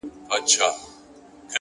نیک عمل تر شهرت اوږد عمر لري.!